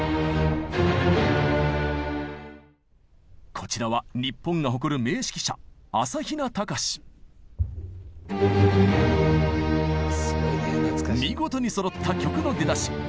こちらは日本が誇る名指揮者見事にそろった曲の出だし。